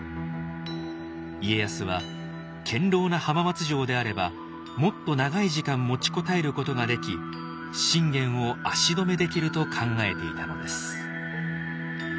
家康は堅ろうな浜松城であればもっと長い時間持ちこたえることができ信玄を足止めできると考えていたのです。